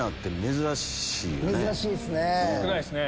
珍しいっすね。